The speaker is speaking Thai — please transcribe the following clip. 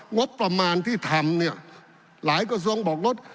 งบประมาณที่ทำเนี่ยหลายกระทรวงบอกลด